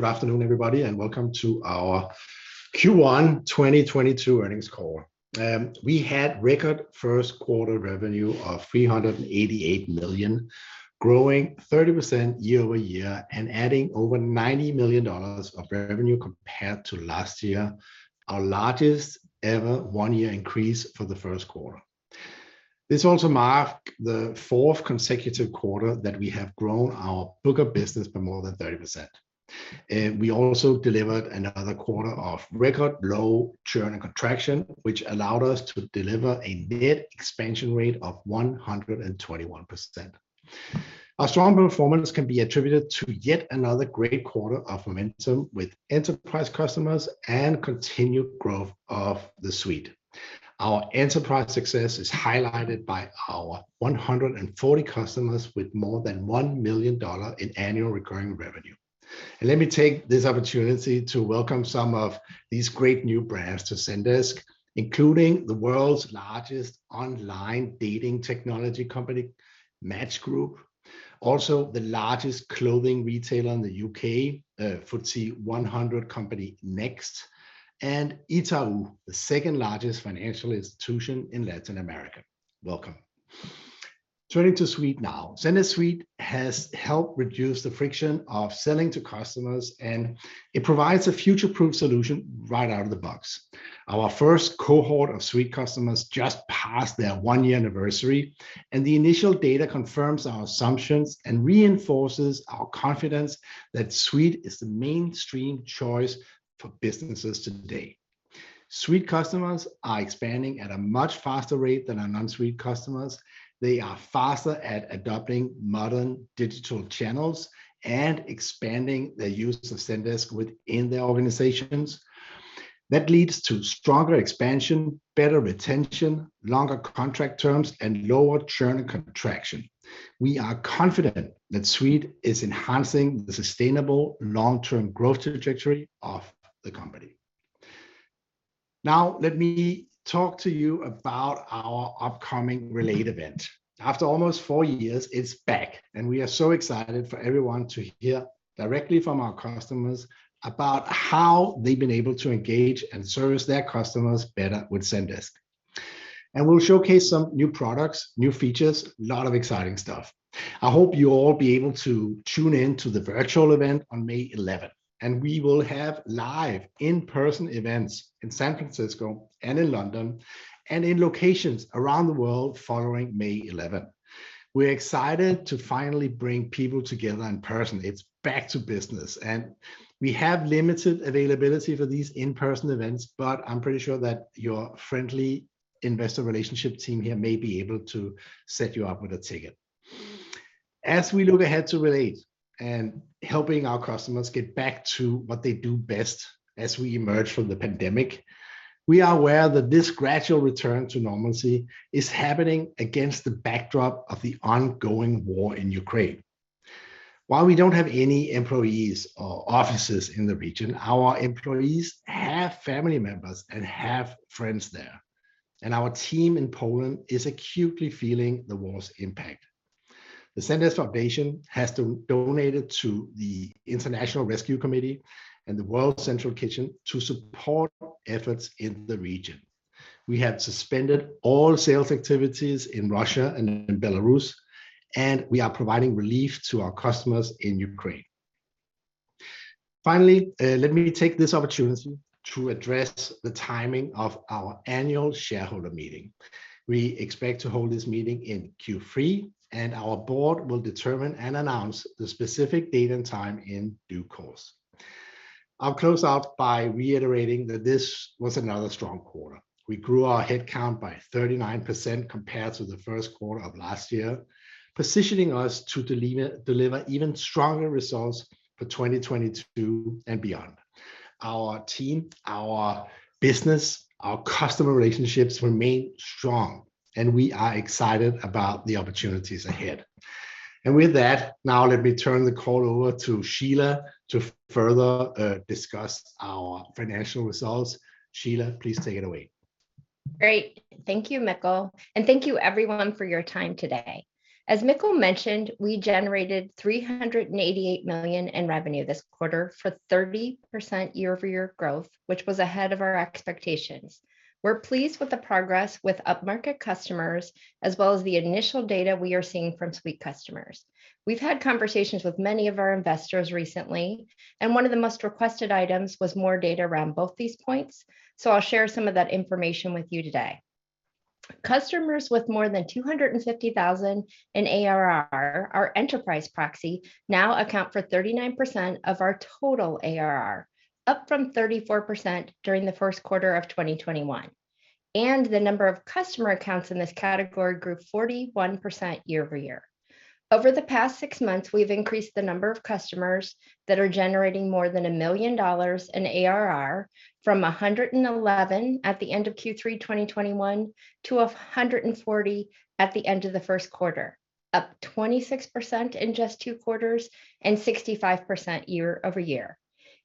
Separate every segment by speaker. Speaker 1: Good afternoon, everybody, and welcome to our Q1 2022 earnings call. We had record first quarter revenue of $388 million, growing 30% year-over-year and adding over $90 million of revenue compared to last year, our largest ever one-year increase for the first quarter. This also marked the fourth consecutive quarter that we have grown our book of business by more than 30%. We also delivered another quarter of record low churn and contraction, which allowed us to deliver a net expansion rate of 121%. Our strong performance can be attributed to yet another great quarter of momentum with enterprise customers and continued growth of the suite. Our enterprise success is highlighted by our 140 customers with more than $1 million in annual recurring revenue. Let me take this opportunity to welcome some of these great new brands to Zendesk, including the world's largest online dating technology company, Match Group, also the largest clothing retailer in the UK, FTSE 100 company, Next, and Itaú, the second largest financial institution in Latin America. Welcome. Turning to Suite now. Zendesk Suite has helped reduce the friction of selling to customers, and it provides a future-proof solution right out of the box. Our first cohort of Suite customers just passed their one-year anniversary, and the initial data confirms our assumptions and reinforces our confidence that Suite is the mainstream choice for businesses today. Suite customers are expanding at a much faster rate than our non-Suite customers. They are faster at adopting modern digital channels and expanding their use of Zendesk within their organizations. That leads to stronger expansion, better retention, longer contract terms, and lower churn and contraction. We are confident that Suite is enhancing the sustainable long-term growth trajectory of the company. Now, let me talk to you about our upcoming Relate event. After almost four years, it's back, and we are so excited for everyone to hear directly from our customers about how they've been able to engage and service their customers better with Zendesk. We'll showcase some new products, new features, a lot of exciting stuff. I hope you'll all be able to tune in to the virtual event on May 11. We will have live in-person events in San Francisco and in London and in locations around the world following May 11. We're excited to finally bring people together in person. It's back to business. We have limited availability for these in-person events, but I'm pretty sure that your friendly Investor Relations team here may be able to set you up with a ticket. As we look ahead to Relate and helping our customers get back to what they do best as we emerge from the pandemic, we are aware that this gradual return to normalcy is happening against the backdrop of the ongoing war in Ukraine. While we don't have any employees or offices in the region, our employees have family members and have friends there, and our team in Poland is acutely feeling the war's impact. The Zendesk Foundation has donated to the International Rescue Committee and the World Central Kitchen to support efforts in the region. We have suspended all sales activities in Russia and in Belarus, and we are providing relief to our customers in Ukraine. Finally, let me take this opportunity to address the timing of our annual shareholder meeting. We expect to hold this meeting in Q3, and our board will determine and announce the specific date and time in due course. I'll close out by reiterating that this was another strong quarter. We grew our head count by 39% compared to the first quarter of last year, positioning us to deliver even stronger results for 2022 and beyond. Our team, our business, our customer relationships remain strong, and we are excited about the opportunities ahead. With that, now let me turn the call over to Shelagh to further discuss our financial results. Shelagh, please take it away.
Speaker 2: Great. Thank you, Mikkel, and thank you everyone for your time today. As Mikkel mentioned, we generated $388 million in revenue this quarter for 30% year-over-year growth, which was ahead of our expectations. We're pleased with the progress with upmarket customers, as well as the initial data we are seeing from Suite customers. We've had conversations with many of our investors recently, and one of the most requested items was more data around both these points, so I'll share some of that information with you today. Customers with more than $250,000 in ARR, our enterprise proxy, now account for 39% of our total ARR, up from 34% during the first quarter of 2021. The number of customer accounts in this category grew 41% year-over-year. Over the past six months, we've increased the number of customers that are generating more than $1 million in ARR from 111 at the end of Q3 2021 to 140 at the end of the first quarter, up 26% in just two quarters and 65% year-over-year.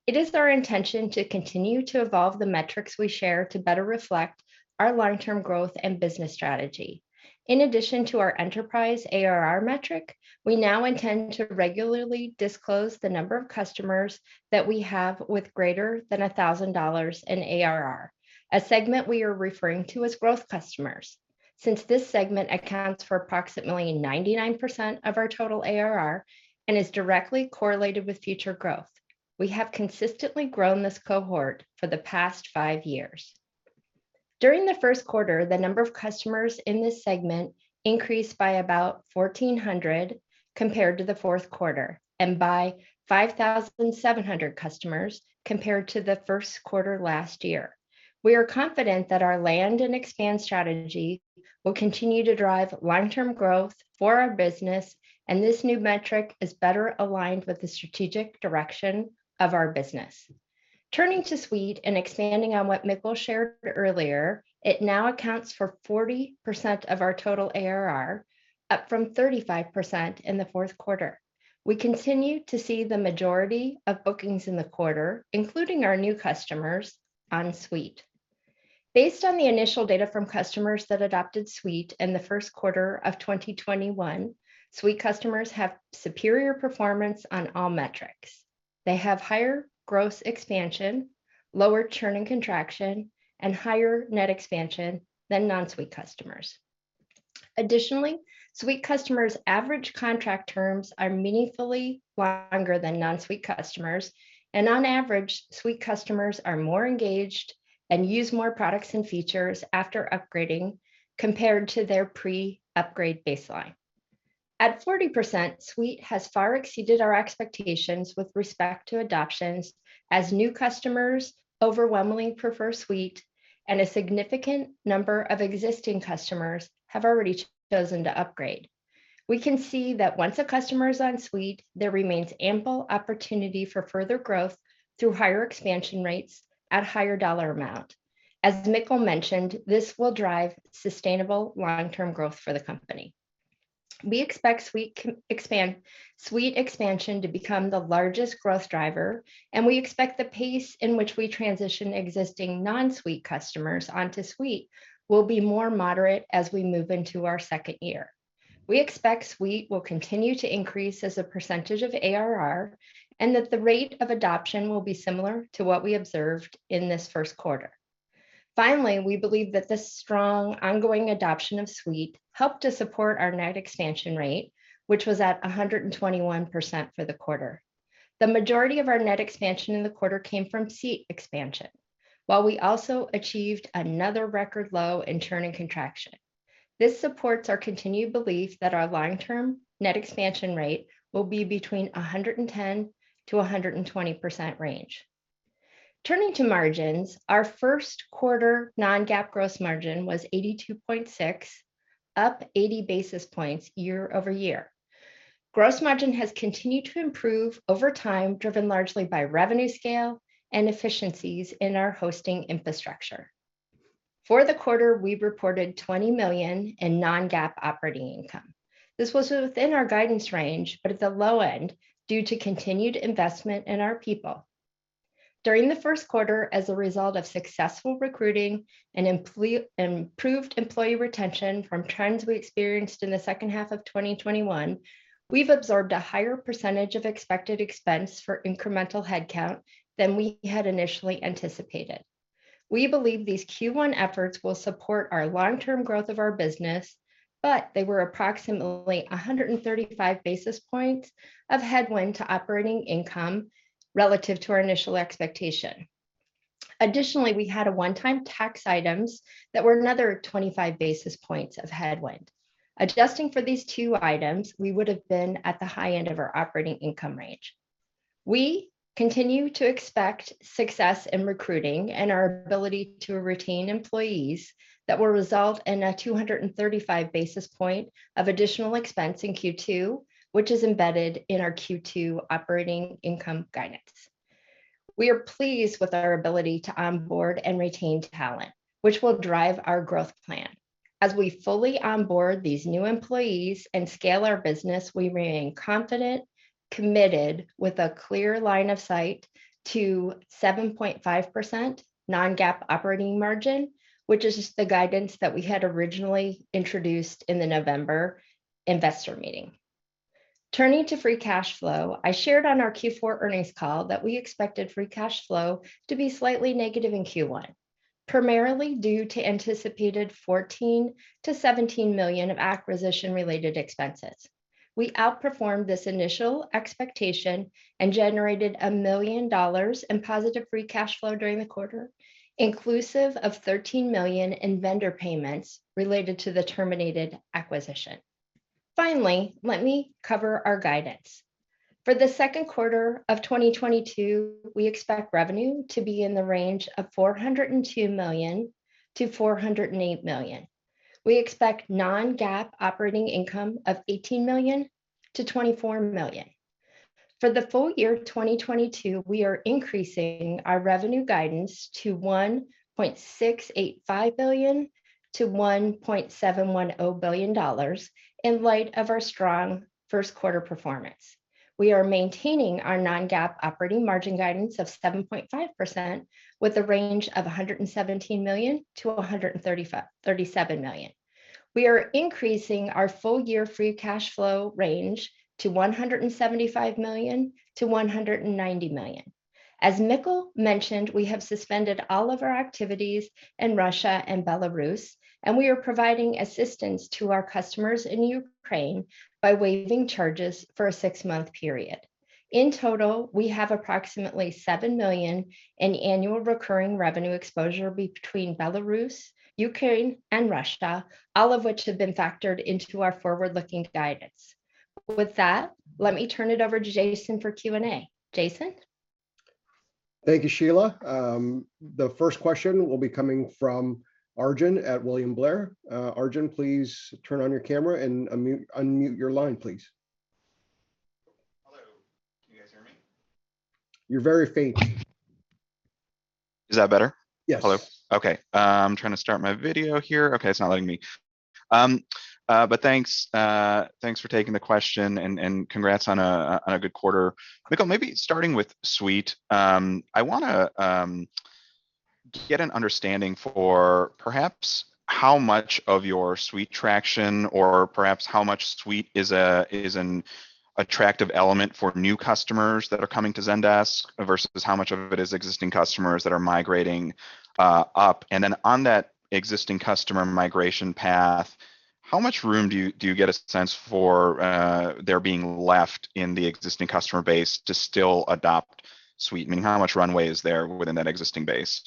Speaker 2: It is our intention to continue to evolve the metrics we share to better reflect our long-term growth and business strategy. In addition to our enterprise ARR metric, we now intend to regularly disclose the number of customers that we have with greater than $1,000 in ARR, a segment we are referring to as growth customers. Since this segment accounts for approximately 99% of our total ARR and is directly correlated with future growth, we have consistently grown this cohort for the past five years. During the first quarter, the number of customers in this segment increased by about 1,400 compared to the fourth quarter, and by 5,700 customers compared to the first quarter last year. We are confident that our land and expand strategy will continue to drive long-term growth for our business, and this new metric is better aligned with the strategic direction of our business. Turning to Suite and expanding on what Mikkel shared earlier, it now accounts for 40% of our total ARR, up from 35% in the fourth quarter. We continue to see the majority of bookings in the quarter, including our new customers on Suite. Based on the initial data from customers that adopted Suite in the first quarter of 2021, Suite customers have superior performance on all metrics. They have higher gross expansion, lower churn and contraction, and higher net expansion than non-Suite customers. Additionally, Suite customers' average contract terms are meaningfully longer than non-Suite customers, and on average, Suite customers are more engaged and use more products and features after upgrading compared to their pre-upgrade baseline. At 40%, Suite has far exceeded our expectations with respect to adoptions as new customers overwhelmingly prefer Suite and a significant number of existing customers have already chosen to upgrade. We can see that once a customer is on Suite, there remains ample opportunity for further growth through higher expansion rates at higher dollar amount. As Mikkel mentioned, this will drive sustainable long-term growth for the company. We expect Suite expansion to become the largest growth driver, and we expect the pace in which we transition existing non-Suite customers onto Suite will be more moderate as we move into our second year. We expect Suite will continue to increase as a percentage of ARR, and that the rate of adoption will be similar to what we observed in this first quarter. Finally, we believe that the strong ongoing adoption of Suite helped to support our net expansion rate, which was at 121% for the quarter. The majority of our net expansion in the quarter came from seat expansion, while we also achieved another record low in churn and contraction. This supports our continued belief that our long-term net expansion rate will be between 110% to 120% range. Turning to margins, our first quarter non-GAAP gross margin was 82.6%, up 80 basis points year-over-year. Gross margin has continued to improve over time, driven largely by revenue scale and efficiencies in our hosting infrastructure. For the quarter, we reported $20 million in non-GAAP operating income. This was within our guidance range, but at the low end due to continued investment in our people. During the first quarter, as a result of successful recruiting and improved employee retention from trends we experienced in the second half of 2021, we've absorbed a higher percentage of expected expense for incremental headcount than we had initially anticipated. We believe these Q1 efforts will support our long-term growth of our business, but they were approximately 135 basis points of headwind to operating income relative to our initial expectation. Additionally, we had a one-time tax items that were another 25 basis points of headwind. Adjusting for these two items, we would have been at the high end of our operating income range. We continue to expect success in recruiting and our ability to retain employees that will result in a 235 basis point of additional expense in Q2, which is embedded in our Q2 operating income guidance. We are pleased with our ability to onboard and retain talent, which will drive our growth plan. As we fully onboard these new employees and scale our business, we remain confident, committed with a clear line of sight to 7.5% non-GAAP operating margin, which is the guidance that we had originally introduced in the November investor meeting. Turning to free cash flow, I shared on our Q4 earnings call that we expected free cash flow to be slightly negative in Q1, primarily due to anticipated $14 million-$17 million of acquisition-related expenses. We outperformed this initial expectation and generated $1 million in positive free cash flow during the quarter, inclusive of $13 million in vendor payments related to the terminated acquisition. Finally, let me cover our guidance. For the second quarter of 2022, we expect revenue to be in the range of $402 million-$408 million. We expect non-GAAP operating income of $18 million-$24 million. For the full year 2022, we are increasing our revenue guidance to $1.685 billion-$1.71 billion in light of our strong first quarter performance. We are maintaining our non-GAAP operating margin guidance of 7.5% with a range of $117 million-$137 million. We are increasing our full year free cash flow range to $175 million-$190 million. As Mikkel mentioned, we have suspended all of our activities in Russia and Belarus, and we are providing assistance to our customers in Ukraine by waiving charges for a six-month period. In total, we have approximately $7 million in annual recurring revenue exposure between Belarus, Ukraine, and Russia, all of which have been factored into our forward-looking guidance. With that, let me turn it over to Jason for Q&A. Jason?
Speaker 3: Thank you, Shelagh. The first question will be coming from Arjun at William Blair. Arjun, please turn on your camera and unmute your line, please.
Speaker 4: Hello. Can you guys hear me?
Speaker 3: You're very faint.
Speaker 4: Is that better?
Speaker 3: Yes.
Speaker 4: Hello. Okay. I'm trying to start my video here. Okay, it's not letting me. Thanks for taking the question and congrats on a good quarter. Mikkel, maybe starting with Suite, I wanna get an understanding for perhaps how much of your Suite traction or perhaps how much Suite is an attractive element for new customers that are coming to Zendesk versus how much of it is existing customers that are migrating up. On that existing customer migration path, how much room do you get a sense for there being left in the existing customer base to still adopt Suite? I mean, how much runway is there within that existing base?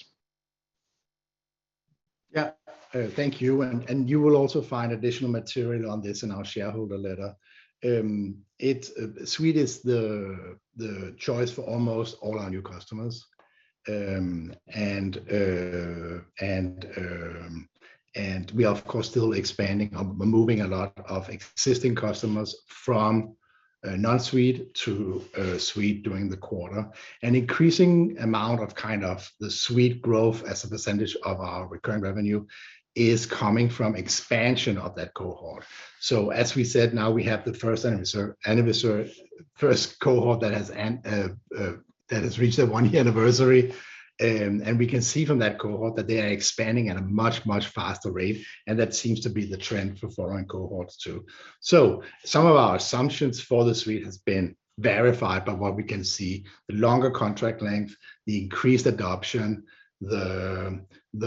Speaker 1: Yeah. Thank you. You will also find additional material on this in our shareholder letter. Suite is the choice for almost all our new customers. We are of course still expanding, moving a lot of existing customers from non-Suite to Suite during the quarter. An increasing amount of kind of the Suite growth as a percentage of our recurring revenue is coming from expansion of that cohort. As we said, now we have the first cohort that has reached their one-year anniversary, and we can see from that cohort that they are expanding at a much faster rate, and that seems to be the trend for other cohorts too. Some of our assumptions for the Suite has been verified by what we can see, the longer contract length, the increased adoption, the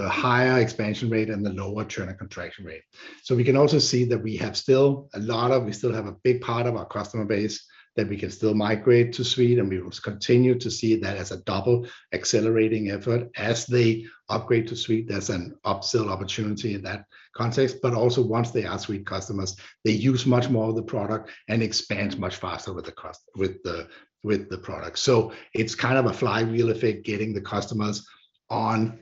Speaker 1: higher expansion rate, and the lower churn and contraction rate. We can also see that we still have a big part of our customer base that we can still migrate to Suite, and we will continue to see that as a double accelerating effort. As they upgrade to Suite, there's an upsell opportunity in that context. But also once they are Suite customers, they use much more of the product and expand much faster with the product. It's kind of a flywheel effect getting the customers on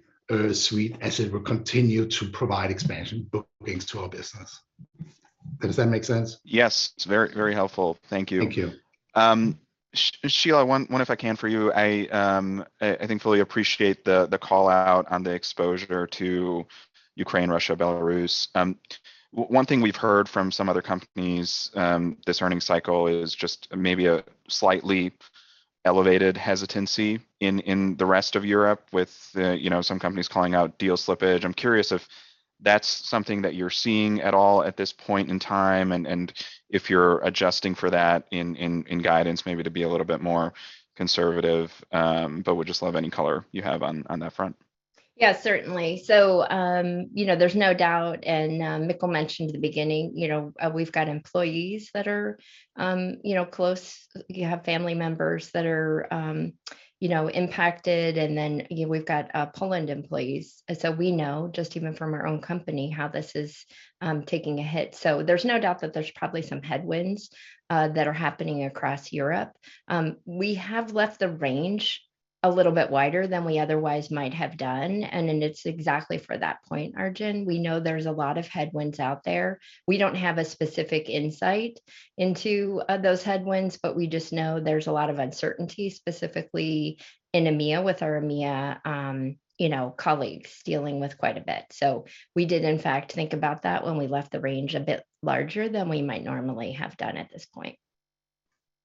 Speaker 1: Suite as it will continue to provide expansion bookings to our business. Does that make sense?
Speaker 4: Yes. It's very, very helpful. Thank you.
Speaker 1: Thank you.
Speaker 4: Shelagh, one if I can for you. I think fully appreciate the call-out on the exposure to Ukraine, Russia, Belarus. One thing we've heard from some other companies this earnings cycle is just maybe a slightly elevated hesitancy in the rest of Europe with the, you know, some companies calling out deal slippage. I'm curious if that's something that you're seeing at all at this point in time, and if you're adjusting for that in guidance maybe to be a little bit more conservative, but would just love any color you have on that front.
Speaker 2: Yeah, certainly. You know, there's no doubt, and Mikkel mentioned at the beginning, you know, we've got employees that are, you know, close. You have family members that are, you know, impacted, and then, you know, we've got Polish employees. We know just even from our own company how this is taking a hit. There's no doubt that there's probably some headwinds that are happening across Europe. We have left the range a little bit wider than we otherwise might have done, and then it's exactly for that point, Arjun. We know there's a lot of headwinds out there. We don't have a specific insight into those headwinds, but we just know there's a lot of uncertainty, specifically in EMEA with our EMEA, you know, colleagues dealing with quite a bit. We did in fact think about that when we left the range a bit larger than we might normally have done at this point.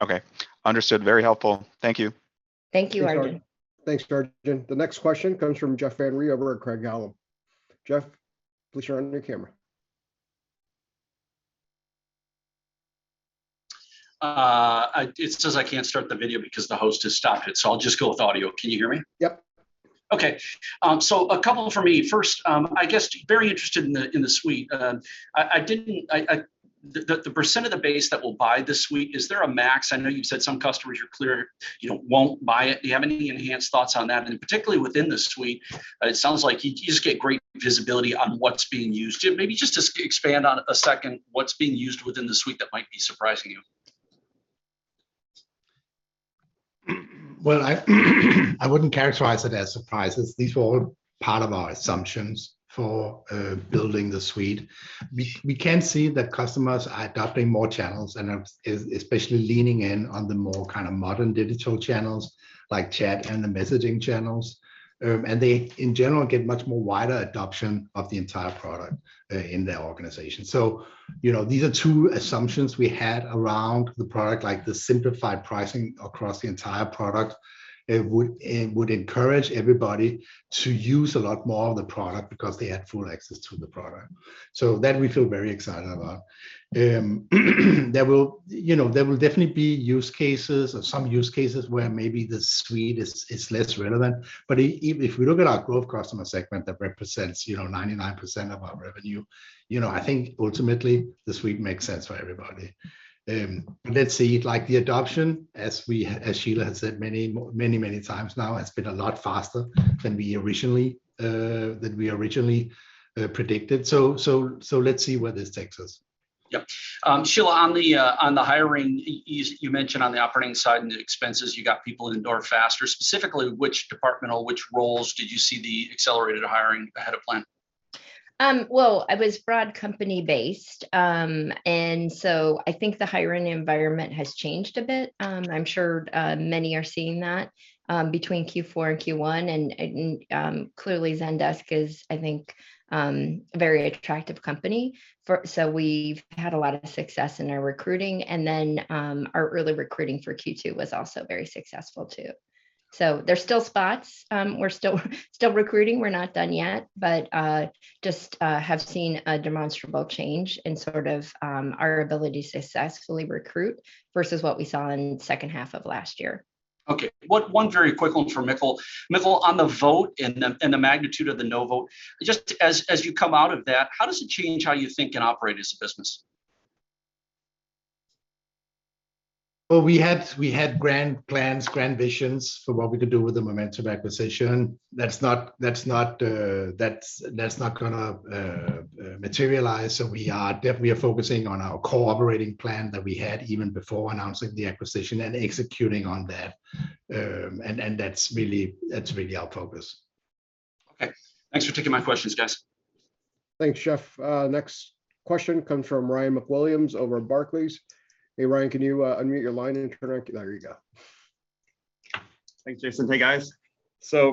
Speaker 4: Okay. Understood. Very helpful. Thank you.
Speaker 2: Thank you, Arjun.
Speaker 3: Thanks, Arjun. The next question comes from Jeff Van Rhee over at Craig-Hallum. Jeff, please turn on your camera.
Speaker 5: It says I can't start the video because the host has stopped it, so I'll just go with audio. Can you hear me?
Speaker 3: Yep.
Speaker 5: Okay. A couple from me. First, I guess very interested in the Suite. I didn't. The percent of the base that will buy the Suite, is there a max? I know you've said some customers are clear, you know, won't buy it. Do you have any enhanced thoughts on that? Particularly within the Suite, it sounds like you just get great visibility on what's being used. Just maybe just expand on it a second what's being used within the Suite that might be surprising you.
Speaker 1: I wouldn't characterize it as surprises. These were part of our assumptions for building the Suite. We can see that customers are adopting more channels and are especially leaning in on the more kind of modern digital channels, like chat and the messaging channels. And they, in general, get much more wider adoption of the entire product in their organization. You know, these are two assumptions we had around the product, like the simplified pricing across the entire product. It would encourage everybody to use a lot more of the product because they had full access to the product. That we feel very excited about. You know, there will definitely be use cases or some use cases where maybe the Suite is less relevant. Even if we look at our growth customer segment that represents, you know, 99% of our revenue, you know, I think ultimately the Suite makes sense for everybody. Let's see, like the adoption as we, as Shelagh has said many times now, has been a lot faster than we originally predicted. Let's see where this takes us.
Speaker 5: Yep. Shelagh, on the hiring, you mentioned on the operating side and the expenses, you got people in the door faster. Specifically, which departmental roles did you see the accelerated hiring ahead of plan?
Speaker 2: Well, it was broad company based. I think the hiring environment has changed a bit. I'm sure many are seeing that between Q4 and Q1, and clearly Zendesk is, I think, a very attractive company for. We've had a lot of success in our recruiting, and then our early recruiting for Q2 was also very successful too. There's still spots. We're still recruiting. We're not done yet, but just have seen a demonstrable change in sort of our ability to successfully recruit versus what we saw in second half of last year.
Speaker 5: Okay. One very quick one for Mikkel. Mikkel, on the vote and the magnitude of the no vote, just as you come out of that, how does it change how you think and operate as a business?
Speaker 1: Well, we had grand plans, grand visions for what we could do with the Momentive acquisition. That's not gonna materialize. We are focusing on our core operating plan that we had even before announcing the acquisition and executing on that. That's really our focus.
Speaker 5: Okay. Thanks for taking my questions, guys.
Speaker 3: Thanks, Jeff. Next question comes from Ryan MacWilliams over at Barclays. Hey, Ryan, can you unmute your line? There you go.
Speaker 6: Thanks, Jason. Hey, guys.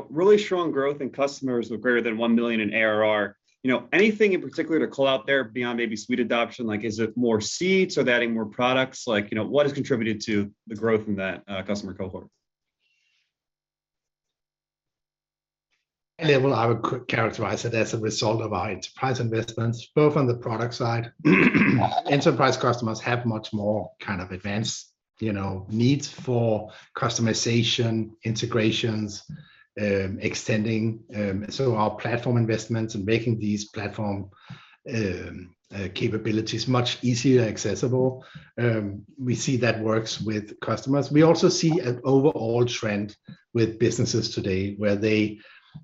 Speaker 6: Really strong growth in customers with greater than $1 million in ARR. You know, anything in particular to call out there beyond maybe Suite adoption? Like, is it more seats or adding more products? Like, you know, what has contributed to the growth in that customer cohort?
Speaker 1: Yeah. Well, I would characterize it as a result of our enterprise investments, both on the product side. Enterprise customers have much more kind of advanced, you know, needs for customization, integrations, extending, so our platform investments and making these platform capabilities much easier and accessible. We see that works with customers. We also see an overall trend with businesses today where they,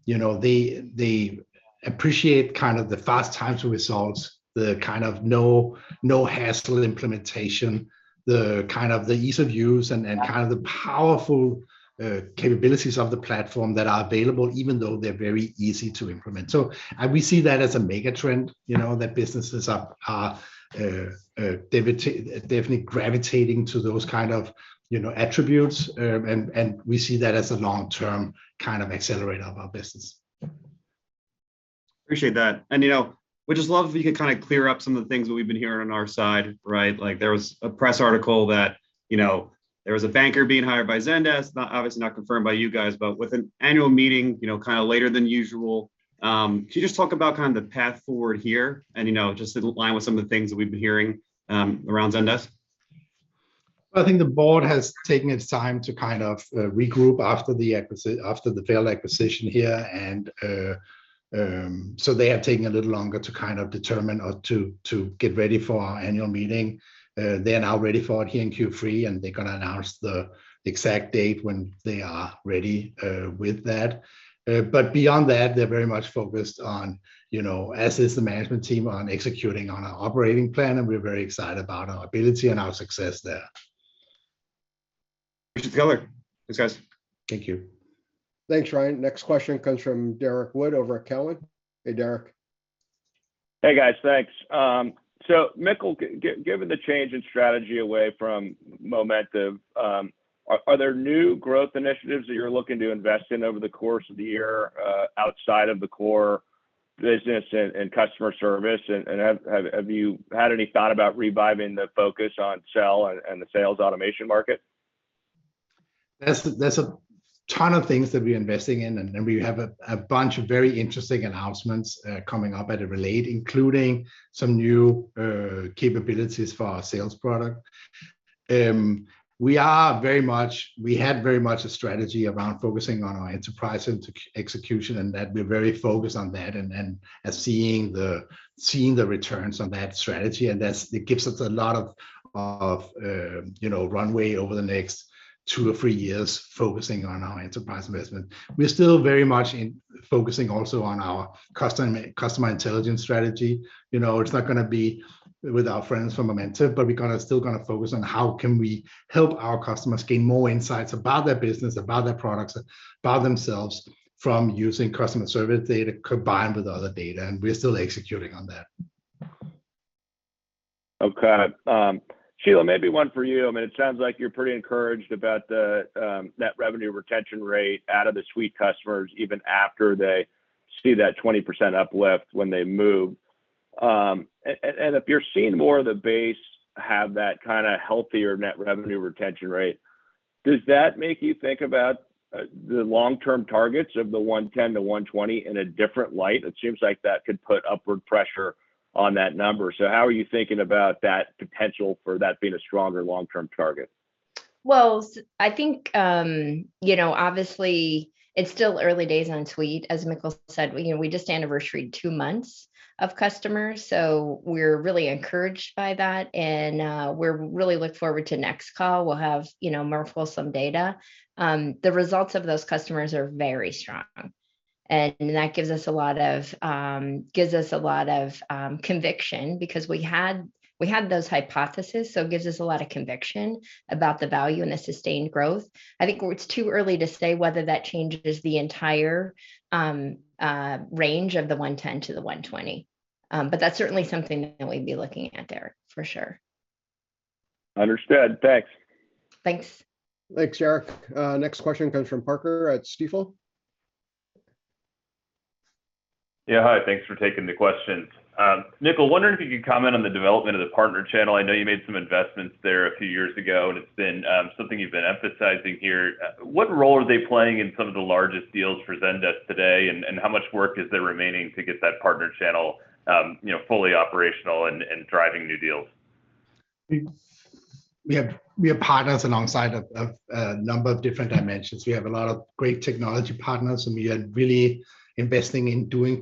Speaker 1: you know, they appreciate kind of the fast time to results, the kind of no-hassle implementation, the kind of the ease of use and kind of the powerful capabilities of the platform that are available, even though they're very easy to implement. We see that as a mega trend, you know, that businesses are definitely gravitating to those kind of, you know, attributes. We see that as a long-term kind of accelerator of our business.
Speaker 6: Appreciate that. You know, would just love if you could kind of clear up some of the things that we've been hearing on our side, right? Like, there was a press article that, you know, there was a banker being hired by Zendesk, not, obviously not confirmed by you guys, but with an annual meeting, you know, kind of later than usual. Can you just talk about kind of the path forward here and, you know, just in line with some of the things that we've been hearing, around Zendesk?
Speaker 1: I think the board has taken its time to kind of regroup after the failed acquisition here and they have taken a little longer to kind of determine or to get ready for our annual meeting. They're now ready for it here in Q3, and they're gonna announce the exact date when they are ready with that. Beyond that, they're very much focused on, you know, as is the management team, on executing on our operating plan, and we're very excited about our ability and our success there.
Speaker 6: Appreciate the color. Thanks, guys.
Speaker 1: Thank you.
Speaker 3: Thanks, Ryan. Next question comes from Derrick Wood over at Cowen. Hey, Derrick.
Speaker 2: Hey, guys. Thanks. Mikkel, given the change in strategy away from Momentive, are there new growth initiatives that you're looking to invest in over the course of the year, outside of the core business and customer service? Have you had any thought about reviving the focus on sell and the sales automation market?
Speaker 1: That's a ton of things that we're investing in, and we have a bunch of very interesting announcements coming up at Relate, including some new capabilities for our sales product. We had very much a strategy around focusing on our enterprise execution, and we're very focused on that and seeing the returns on that strategy, and that gives us a lot of, you know, runway over the next two or three years focusing on our enterprise investment. We're still very much investing also on our customer intelligence strategy. You know, it's not gonna be with our friends from Momentive, but we're gonna still focus on how can we help our customers gain more insights about their business, about their products, about themselves from using customer service data combined with other data, and we're still executing on that.
Speaker 7: Okay. Shelagh, maybe one for you. I mean, it sounds like you're pretty encouraged about the net revenue retention rate out of the Suite customers even after they see that 20% uplift when they move. And if you're seeing more of the base have that kind of healthier net revenue retention rate, does that make you think about the long-term targets of the 110%-120% in a different light? It seems like that could put upward pressure on that number. How are you thinking about that potential for that being a stronger long-term target?
Speaker 2: Well, I think, you know, obviously, it's still early days on Suite. As Mikkel said, you know, we just anniversaried two months of customers, so we're really encouraged by that. We're really looking forward to next call. We'll have, you know, more fulsome data. The results of those customers are very strong, and that gives us a lot of conviction because we had those hypotheses, so it gives us a lot of conviction about the value and the sustained growth. I think it's too early to say whether that changes the entire range of the 110%-120%. That's certainly something that we'd be looking at there, for sure.
Speaker 7: Understood. Thanks.
Speaker 2: Thanks.
Speaker 3: Thanks, Derrick Wood. Next question comes from Parker at Stifel.
Speaker 8: Yeah, hi. Thanks for taking the questions. Mikkel, wondering if you could comment on the development of the partner channel. I know you made some investments there a few years ago, and it's been something you've been emphasizing here. What role are they playing in some of the largest deals for Zendesk today, and how much work is there remaining to get that partner channel, you know, fully operational and driving new deals?
Speaker 1: We have partners alongside a number of different dimensions. We have a lot of great technology partners, and we are really investing in doing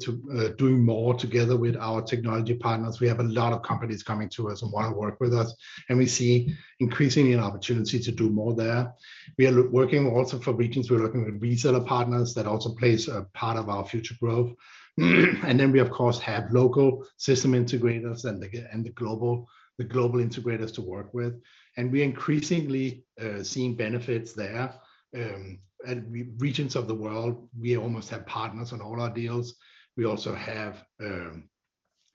Speaker 1: more together with our technology partners. We have a lot of companies coming to us and wanna work with us, and we see increasingly an opportunity to do more there. We are working also in regions, we're working with reseller partners that also plays a part of our future growth. We, of course, have local system integrators and the global integrators to work with, and we're increasingly seeing benefits there. In regions of the world, we almost have partners on all our deals. We also have, we're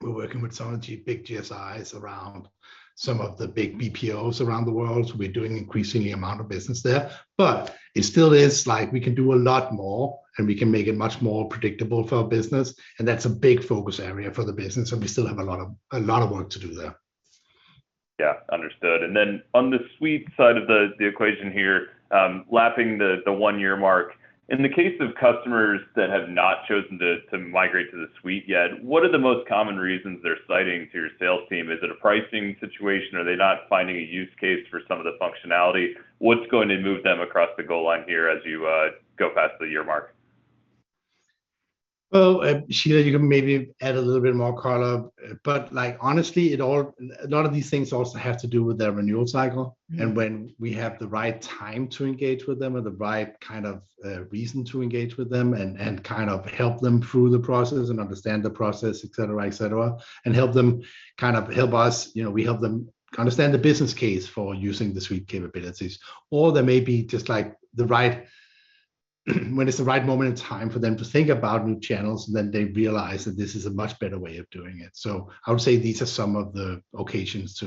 Speaker 1: working with some of the big GSIs around some of the big BPOs around the world, so we're doing an increasing amount of business there. It still is like we can do a lot more, and we can make it much more predictable for our business, and that's a big focus area for the business, and we still have a lot of work to do there.
Speaker 8: Yeah. Understood. On the Suite side of the equation here, lapping the one-year mark. In the case of customers that have not chosen to migrate to the Suite yet, what are the most common reasons they're citing to your sales team? Is it a pricing situation? Are they not finding a use case for some of the functionality? What's going to move them across the goal line here as you go past the year mark?
Speaker 1: Well, Shelagh, you can maybe add a little bit more color. Like, honestly, a lot of these things also have to do with their renewal cycle, and when we have the right time to engage with them or the right kind of reason to engage with them and kind of help them through the process and understand the process, et cetera, et cetera, and help them kind of help us. You know, we help them kind of understand the business case for using the Suite capabilities. Or there may be just, like, when it's the right moment in time for them to think about new channels, and then they realize that this is a much better way of doing it. I would say these are some of the occasions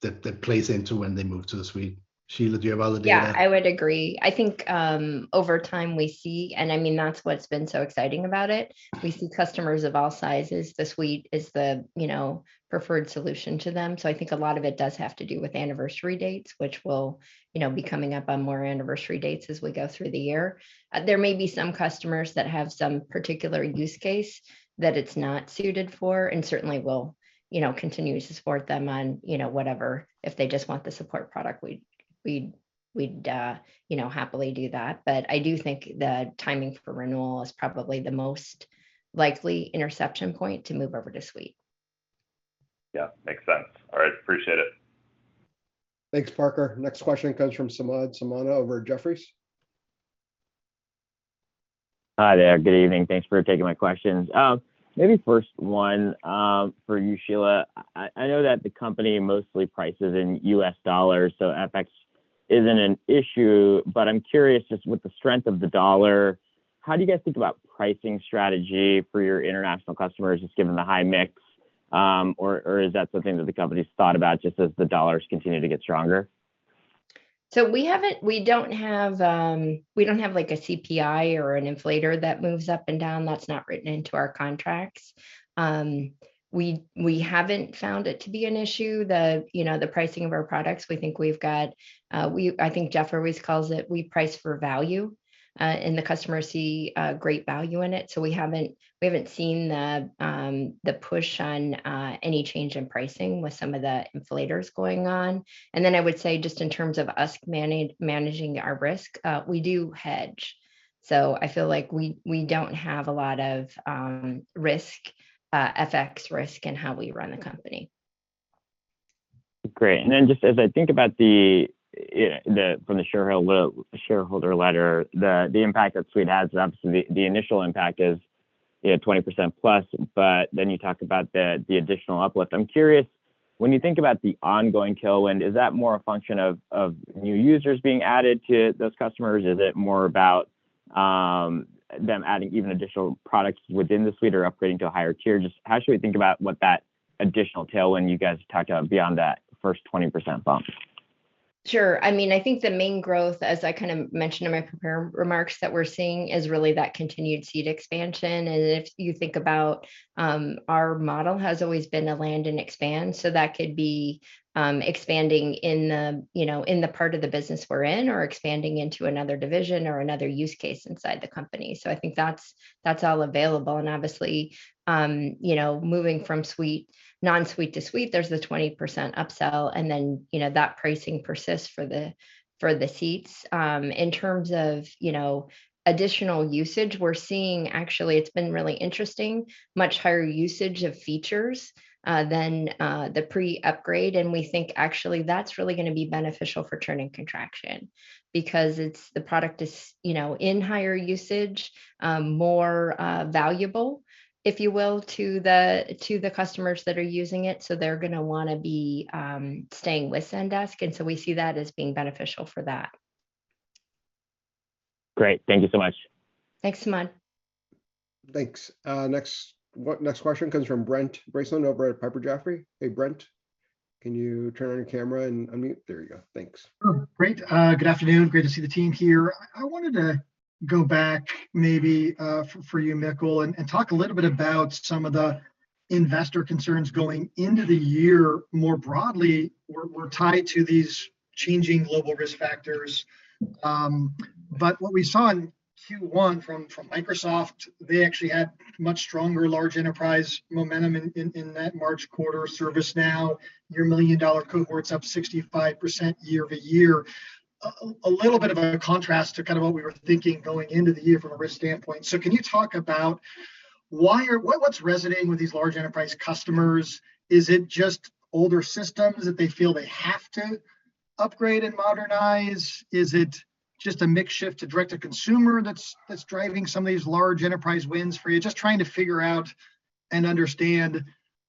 Speaker 1: that plays into when they move to the Suite. Shelagh, do you have other data?
Speaker 2: Yeah, I would agree. I think, over time we see. I mean, that's what's been so exciting about it. We see customers of all sizes, the Suite is the, you know, preferred solution to them. I think a lot of it does have to do with anniversary dates, which will, you know, be coming up on more anniversary dates as we go through the year. There may be some customers that have some particular use case that it's not suited for, and certainly we'll, you know, continue to support them on, you know, whatever. If they just want the support product, we'd, you know, happily do that. I do think the timing for renewal is probably the most likely inflection point to move over to Suite.
Speaker 8: Yeah, makes sense. All right. Appreciate it.
Speaker 3: Thanks, Parker. Next question comes from Samad Samana over at Jefferies.
Speaker 7: Hi there. Good evening. Thanks for taking my questions. Maybe first one, for you, Shelagh. I know that the company mostly prices in U.S. dollars, so FX isn't an issue, but I'm curious just with the strength of the dollar, how do you guys think about pricing strategy for your international customers, just given the high mix? Or is that something that the company's thought about just as the dollars continue to get stronger?
Speaker 2: We don't have a CPI or an inflator that moves up and down. That's not written into our contracts. We haven't found it to be an issue. You know, the pricing of our products. I think Jeff always calls it we price for value, and the customers see great value in it. We haven't seen the push on any change in pricing with some of the inflators going on. Then I would say just in terms of us managing our risk, we do hedge. I feel like we don't have a lot of risk, FX risk in how we run the company.
Speaker 7: Great. Just as I think about the from the shareholder letter, the impact that Suite has, obviously the initial impact is, you know, 20% plus, but then you talk about the additional uplift. I'm curious, when you think about the ongoing tailwind, is that more a function of new users being added to those customers? Is it more about-
Speaker 9: Them adding even additional products within the suite or upgrading to a higher tier, just how should we think about what that additional tailwind you guys talked about beyond that first 20% bump?
Speaker 2: Sure. I mean, I think the main growth, as I kind of mentioned in my prepared remarks, that we're seeing is really that continued seat expansion. If you think about our model has always been to land and expand, so that could be expanding in the, you know, in the part of the business we're in, or expanding into another division or another use case inside the company. I think that's all available. Obviously, you know, moving from suite, non-suite to suite, there's the 20% upsell, and then, you know, that pricing persists for the seats. In terms of, you know, additional usage, we're seeing, actually it's been really interesting, much higher usage of features than the pre-upgrade. We think actually that's really gonna be beneficial for churn and contraction, because it's the product is, you know, in higher usage, more valuable, if you will, to the customers that are using it, so they're gonna wanna be staying with Zendesk, and so we see that as being beneficial for that.
Speaker 9: Great. Thank you so much.
Speaker 2: Thanks, Samad Samana.
Speaker 3: Thanks. Next one, next question comes from Brent Bracelin over at Piper Sandler. Hey, Brent. Can you turn on your camera and unmute? There you go. Thanks.
Speaker 10: Oh, great. Good afternoon. Great to see the team here. I wanted to go back maybe for you, Mikkel, and talk a little bit about some of the investor concerns going into the year more broadly were tied to these changing global risk factors. But what we saw in Q1 from Microsoft, they actually had much stronger large enterprise momentum in that March quarter. ServiceNow, your million-dollar cohort's up 65% year-over-year. A little bit of a contrast to kind of what we were thinking going into the year from a risk standpoint. Can you talk about what's resonating with these large enterprise customers? Is it just older systems that they feel they have to upgrade and modernize? Is it just a mix shift to direct to consumer that's driving some of these large enterprise wins for you? Just trying to figure out and understand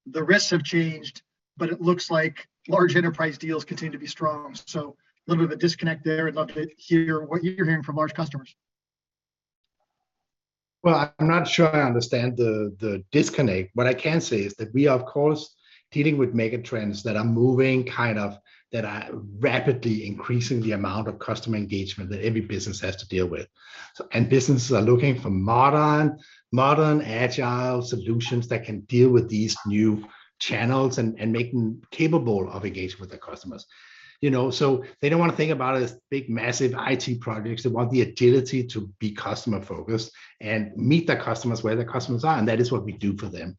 Speaker 10: the risks have changed, but it looks like large enterprise deals continue to be strong. Little bit of a disconnect there. I'd love to hear what you're hearing from large customers.
Speaker 1: Well, I'm not sure I understand the disconnect. What I can say is that we are, of course, dealing with mega trends that are rapidly increasing the amount of customer engagement that every business has to deal with. Businesses are looking for modern agile solutions that can deal with these new channels and make them capable of engaging with their customers. You know, so they don't wanna think about it as big, massive IT projects. They want the agility to be customer focused and meet their customers where their customers are, and that is what we do for them.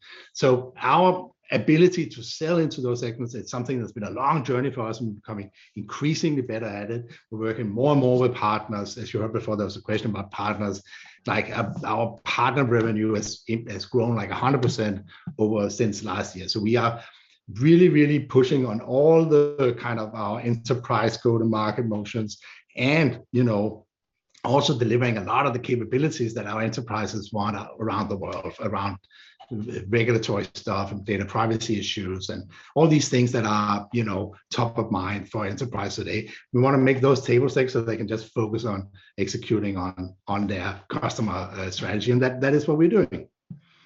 Speaker 1: Our ability to sell into those segments, it's something that's been a long journey for us and becoming increasingly better at it. We're working more and more with partners. As you heard before, there was a question about partners, like, our partner revenue has grown like 100% over since last year. We are really pushing on all the kind of our enterprise go-to-market motions and, you know, also delivering a lot of the capabilities that our enterprises want around the world, around regulatory stuff and data privacy issues and all these things that are, you know, top of mind for enterprise today. We wanna make those table stakes so they can just focus on executing on their customer strategy, and that is what we're doing.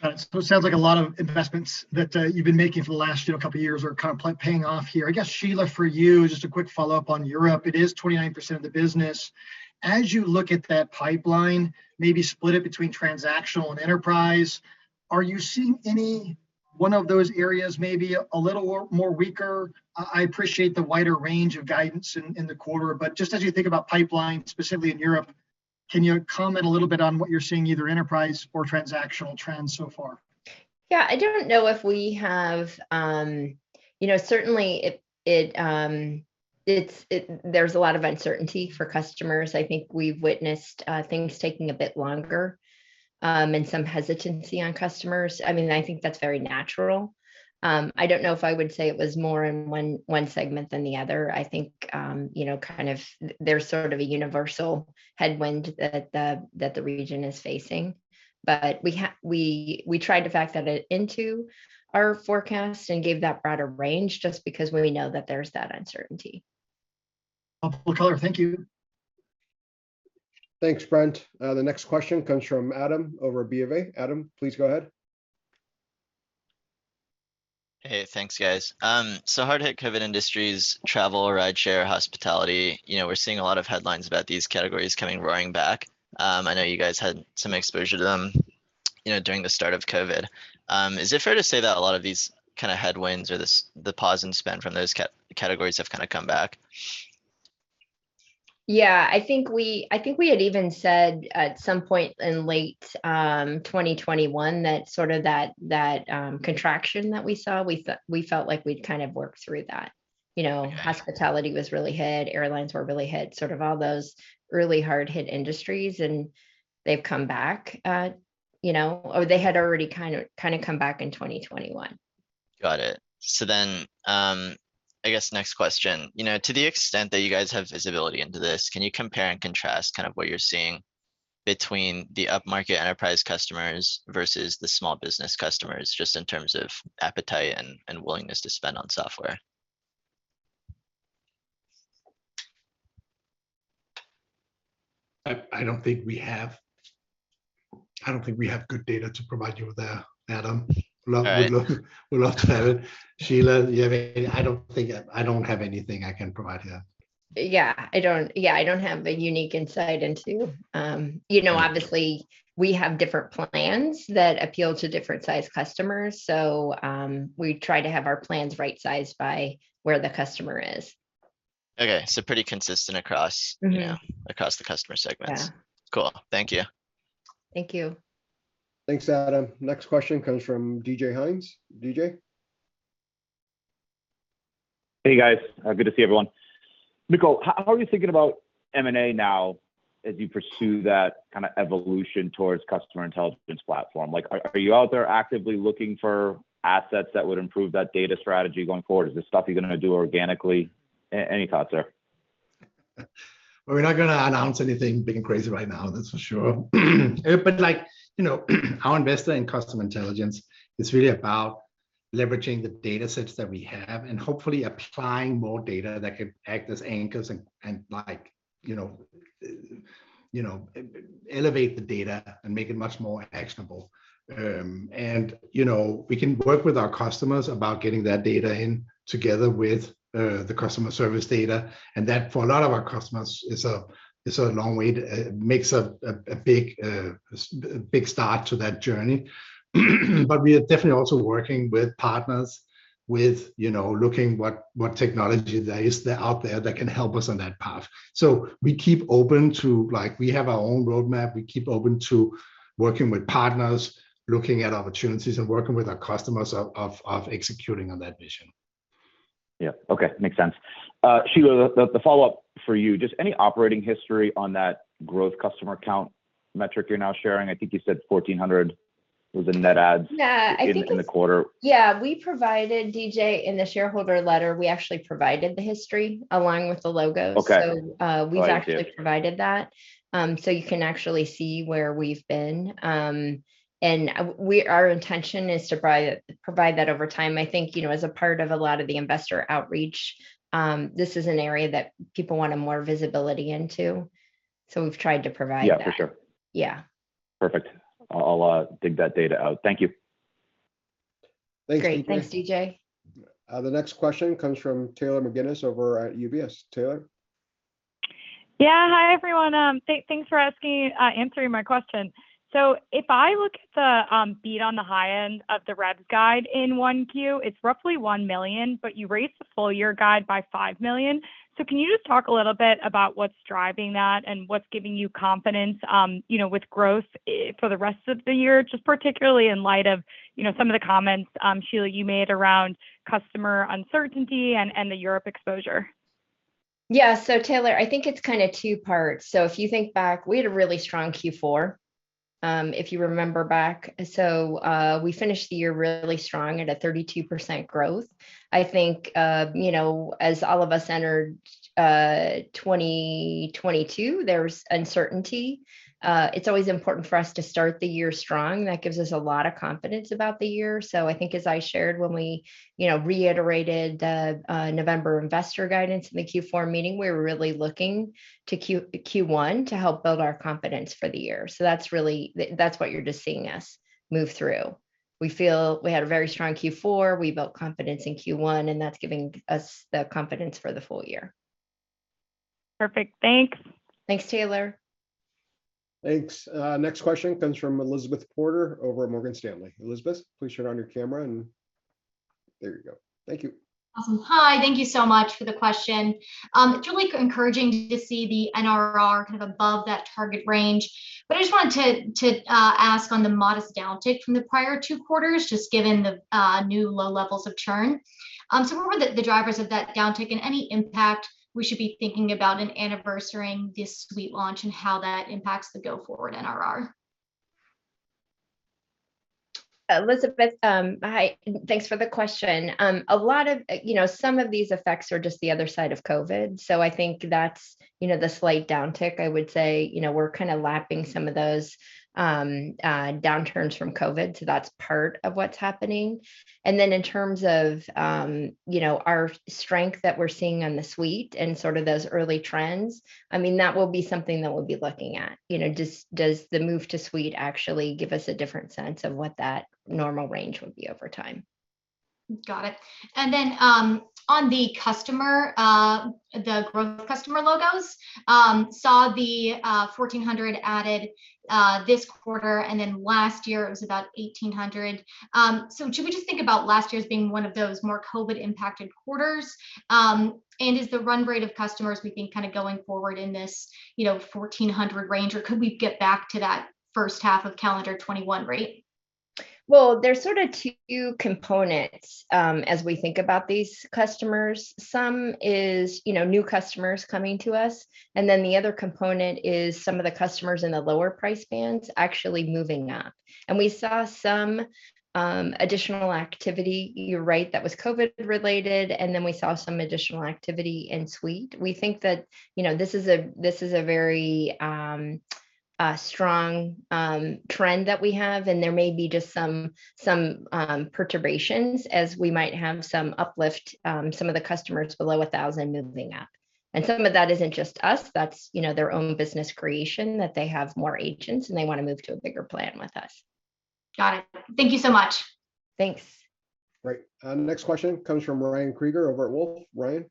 Speaker 10: Got it. It sounds like a lot of investments that you've been making for the last, you know, couple years are kind of paying off here. I guess, Shelagh, for you, just a quick follow-up on Europe. It is 29% of the business. As you look at that pipeline, maybe split it between transactional and enterprise, are you seeing any one of those areas maybe a little more weaker? I appreciate the wider range of guidance in the quarter, but just as you think about pipeline, specifically in Europe, can you comment a little bit on what you're seeing, either enterprise or transactional trends so far?
Speaker 2: Yeah. I don't know if we have. You know, certainly, there's a lot of uncertainty for customers. I think we've witnessed things taking a bit longer and some hesitancy on customers. I mean, I think that's very natural. I don't know if I would say it was more in one segment than the other. I think, you know, kind of, there's sort of a universal headwind that the region is facing. We tried to factor that into our forecast and gave that broader range, just because we know that there's that uncertainty.
Speaker 10: Helpful color. Thank you.
Speaker 3: Thanks, Brent. The next question comes from Adam over at BofA. Adam, please go ahead.
Speaker 9: Hey, thanks, guys. Hard-hit COVID industries, travel, rideshare, hospitality, you know, we're seeing a lot of headlines about these categories coming roaring back. I know you guys had some exposure to them, you know, during the start of COVID. Is it fair to say that a lot of these kinda headwinds or this, the pause in spend from those categories have kinda come back?
Speaker 2: Yeah. I think we had even said at some point in late 2021 that sorta that contraction that we saw. We felt like we'd kind of worked through that. You know.
Speaker 9: Got it.
Speaker 2: Hospitality was really hit, airlines were really hit, sort of all those really hard-hit industries, and they've come back. You know, or they had already kind of come back in 2021.
Speaker 9: Got it. I guess next question. You know, to the extent that you guys have visibility into this, can you compare and contrast kind of what you're seeing between the up-market enterprise customers versus the small business customers, just in terms of appetite and willingness to spend on software?
Speaker 1: I don't think we have good data to provide you with that, Adam.
Speaker 9: Okay.
Speaker 1: We'd love to have it. Sheila, do you have any? I don't have anything I can provide here.
Speaker 2: Yeah, I don't have a unique insight into, you know.
Speaker 9: Okay
Speaker 2: Obviously we have different plans that appeal to different size customers. We try to have our plans right sized by where the customer is.
Speaker 9: Okay, pretty consistent across.
Speaker 2: Mm-hmm
Speaker 9: You know, across the customer segments.
Speaker 2: Yeah.
Speaker 9: Cool. Thank you.
Speaker 2: Thank you.
Speaker 1: Thanks, Adam. Next question comes from David Hynes. DJ?
Speaker 11: Hey guys, good to see everyone. Mikkel, how are you thinking about M&A now as you pursue that kind of evolution towards customer intelligence platform? Like, are you out there actively looking for assets that would improve that data strategy going forward? Is this stuff you're gonna do organically? Any thoughts there?
Speaker 1: Well, we're not gonna announce anything big and crazy right now, that's for sure. Like, you know, our investment in customer intelligence is really about leveraging the data sets that we have and hopefully applying more data that could act as anchors and like, you know, elevate the data and make it much more actionable. You know, we can work with our customers about getting that data in together with the customer service data, and that, for a lot of our customers, is a long way makes a big start to that journey. We are definitely also working with partners with, you know, looking what technology there is that are out there that can help us on that path. We keep open to, like, we have our own roadmap. We keep open to working with partners, looking at opportunities, and working with our customers of executing on that vision.
Speaker 11: Yeah. Okay. Makes sense. Sheila, the follow-up for you, just any operating history on that growth customer count metric you're now sharing? I think you said 1,400 was the net adds-
Speaker 2: Yeah, I think it's.
Speaker 11: in the quarter.
Speaker 2: Yeah. We provided, DJ, in the shareholder letter, we actually provided the history along with the logos.
Speaker 11: Okay.
Speaker 2: So, uh-
Speaker 11: All right. Thank you....
Speaker 2: we've actually provided that, so you can actually see where we've been. Our intention is to provide that over time. I think, you know, as a part of a lot of the investor outreach, this is an area that people wanted more visibility into, so we've tried to provide that.
Speaker 11: Yeah, for sure.
Speaker 2: Yeah.
Speaker 11: Perfect. I'll dig that data out. Thank you.
Speaker 1: Thanks, DJ.
Speaker 2: Great. Thanks, DJ.
Speaker 1: The next question comes from Taylor McGinnis over at UBS. Taylor?
Speaker 12: Yeah. Hi, everyone. Thanks for asking, answering my question. If I look at the beat on the high end of the rev guide in 1Q, it's roughly $1 million, but you raised the full year guide by $5 million. Can you just talk a little bit about what's driving that and what's giving you confidence, you know, with growth, for the rest of the year, just particularly in light of, you know, some of the comments, Shelagh, you made around customer uncertainty and the Europe exposure?
Speaker 2: Taylor, I think it's kind of two parts. If you think back, we had a really strong Q4, if you remember back. We finished the year really strong at a 32% growth. I think, you know, as all of us entered, 2022, there's uncertainty. It's always important for us to start the year strong, that gives us a lot of confidence about the year. I think as I shared when we, you know, reiterated the, November investor guidance in the Q4 meeting, we're really looking to Q1 to help build our confidence for the year. That's what you're just seeing us move through. We feel we had a very strong Q4. We built confidence in Q1, and that's giving us the confidence for the full year.
Speaker 12: Perfect. Thanks.
Speaker 2: Thanks, Taylor.
Speaker 1: Thanks. Next question comes from Elizabeth Porter over at Morgan Stanley. Elizabeth, please turn on your camera. There you go. Thank you.
Speaker 13: Awesome. Hi. Thank you so much for the question. It's really encouraging to see the NRR kind of above that target range, but I just wanted to ask on the modest downtick from the prior two quarters, just given the new low levels of churn. What were the drivers of that downtick and any impact we should be thinking about in anniversary-ing this suite launch and how that impacts the go forward NRR?
Speaker 2: Elizabeth, hi, thanks for the question. A lot of, you know, some of these effects are just the other side of COVID. I think that's, you know, the slight downtick, I would say. You know, we're kind of lapping some of those, downturns from COVID, so that's part of what's happening. Then in terms of, you know, our strength that we're seeing on the Suite and sort of those early trends, I mean, that will be something that we'll be looking at. You know, does the move to Suite actually give us a different sense of what that normal range would be over time?
Speaker 13: Got it. On the customer, the growth customer logos, saw the 1,400 added, this quarter, and then last year it was about 1,800. Should we just think about last year as being one of those more COVID impacted quarters? Is the run rate of customers we think kind of going forward in this, you know, 1,400 range, or could we get back to that first half of calendar 2021 rate?
Speaker 2: Well, there's sort of two components as we think about these customers. Some is, you know, new customers coming to us, and then the other component is some of the customers in the lower price bands actually moving up. We saw some additional activity, you're right, that was COVID related, and then we saw some additional activity in suite. We think that, you know, this is a, this is a very strong trend that we have, and there may be just some perturbations as we might have some uplift, some of the customers below 1,000 moving up. Some of that isn't just us, that's, you know, their own business creation that they have more agents and they wanna move to a bigger plan with us.
Speaker 14: Got it. Thank you so much.
Speaker 2: Thanks.
Speaker 3: Great. Next question comes from Ryan Krieger over at Wolfe. Ryan?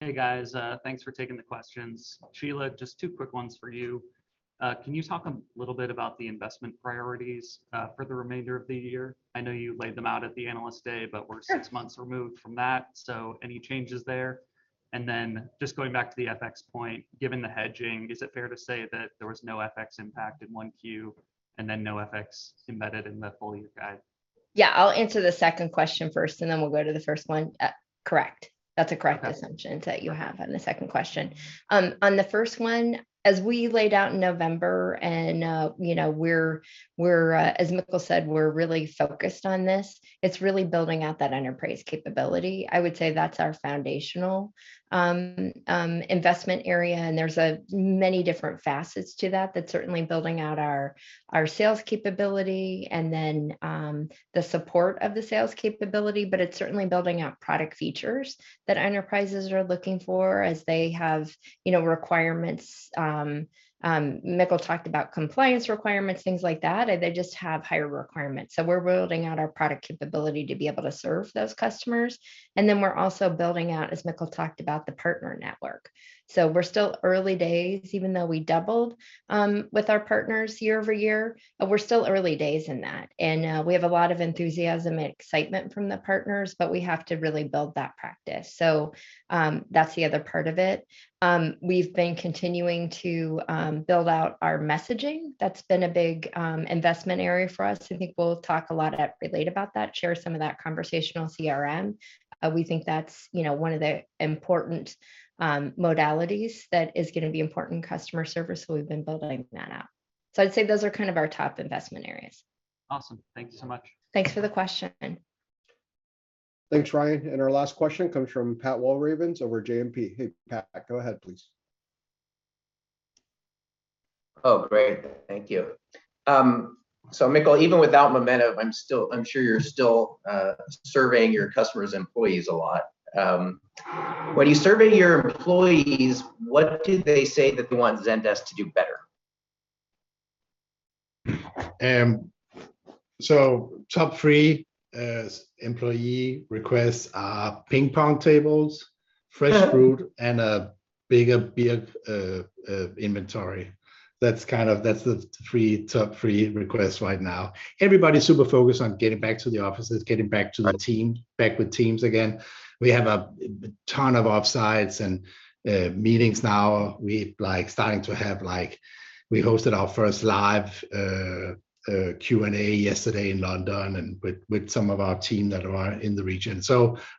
Speaker 14: Hey, guys. Thanks for taking the questions. Sheila, just two quick ones for you. Can you talk a little bit about the investment priorities for the remainder of the year? I know you laid them out at the Analyst Day-
Speaker 2: Sure
Speaker 14: We're six months removed from that, so any changes there? Just going back to the FX point, given the hedging, is it fair to say that there was no FX impact in 1Q and then no FX embedded in the full year guide?
Speaker 2: Yeah, I'll answer the second question first and then we'll go to the first one. Correct. That's correct.
Speaker 14: Okay
Speaker 2: assumption that you have on the second question. On the first one, as we laid out in November, and, you know, we're as Mikkel said, we're really focused on this, it's really building out that enterprise capability. I would say that's our foundational investment area, and there's many different facets to that. That's certainly building out our sales capability and then, the support of the sales capability, but it's certainly building out product features that enterprises are looking for as they have, you know, requirements. Mikkel talked about compliance requirements, things like that, and they just have higher requirements. We're building out our product capability to be able to serve those customers, and then we're also building out, as Mikkel talked about, the partner network. We're still early days. Even though we doubled with our partners year over year, we're still early days in that. We have a lot of enthusiasm and excitement from the partners, but we have to really build that practice. That's the other part of it. We've been continuing to build out our messaging. That's been a big investment area for us. I think we'll talk a lot at Relate about that, share some of that conversational CRM. We think that's, you know, one of the important modalities that is gonna be important in customer service, so we've been building that out. I'd say those are kind of our top investment areas.
Speaker 14: Awesome. Thank you so much.
Speaker 2: Thanks for the question.
Speaker 3: Thanks, Ryan. Our last question comes from Pat Walravens over at JMP. Hey, Pat, go ahead please.
Speaker 15: Oh, great. Thank you. Mikkel, even without Momentive, I'm sure you're still serving your customers' employees a lot. When you survey your employees, what do they say that they want Zendesk to do better?
Speaker 1: Top three employee requests are ping pong tables, fresh fruit, and a bigger beer inventory. That's kind of the top three requests right now. Everybody's super focused on getting back to the offices, getting back to the team.
Speaker 15: Right
Speaker 1: Back with teams again. We have a ton of offsites and meetings now. We're like starting to have like we hosted our first live Q&A yesterday in London and with some of our team that are in the region.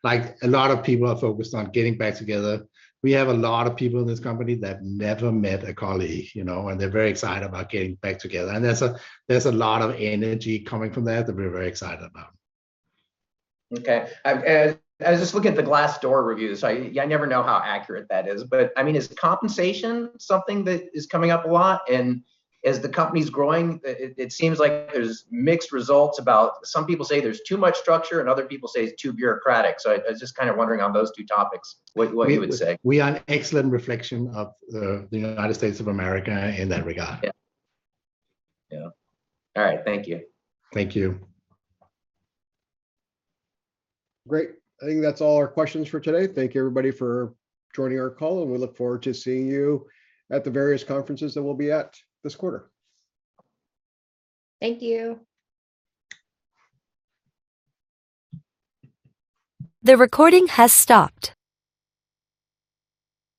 Speaker 1: Like a lot of people are focused on getting back together. We have a lot of people in this company that never met a colleague, you know, and they're very excited about getting back together, and there's a lot of energy coming from that that we're very excited about.
Speaker 15: Okay. I was just looking at the Glassdoor reviews. I never know how accurate that is, but, I mean, is compensation something that is coming up a lot? As the company's growing, it seems like there's mixed results about some people say there's too much structure and other people say it's too bureaucratic. I was just kind of wondering on those two topics what you would say.
Speaker 1: We are an excellent reflection of the United States of America in that regard.
Speaker 15: Yeah. Yeah. All right, thank you.
Speaker 1: Thank you.
Speaker 3: Great. I think that's all our questions for today. Thank you everybody for joining our call, and we look forward to seeing you at the various conferences that we'll be at this quarter.
Speaker 2: Thank you.
Speaker 11: The recording has stopped.